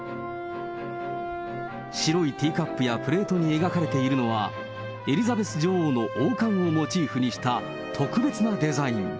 白いティーカップやプレートに描かれているのは、エリザベス女王の王冠をモチーフにした、特別なデザイン。